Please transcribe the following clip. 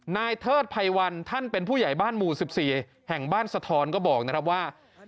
เทิดภัยวันท่านเป็นผู้ใหญ่บ้านหมู่๑๔แห่งบ้านสะท้อนก็บอกนะครับว่า